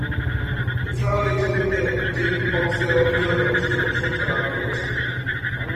এছাড়াও এ ছবিতে জেমি ফক্সের অভিনয়ও যথেষ্ট প্রশংসা লাভ করেছে।